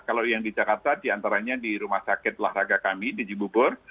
kalau yang di jakarta diantaranya di rumah sakit olahraga kami di jibubur